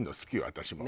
私も。